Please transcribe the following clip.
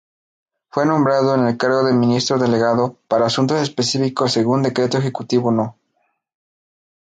Fue nombrado en el cargo de Ministro-Delegado para Asuntos Específicos según Decreto Ejecutivo No.